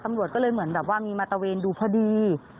ตำรวจก็เลยเหมือนแบบว่ามีมาตะเวนดูพอดี